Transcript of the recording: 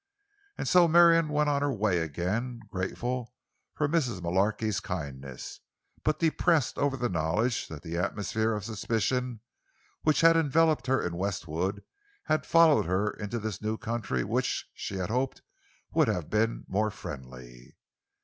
And so Marion went on her way again, grateful for Mrs. Mullarky's kindness, but depressed over the knowledge that the atmosphere of suspicion, which had enveloped her in Westwood, had followed her into this new country which, she had hoped, would have been more friendly.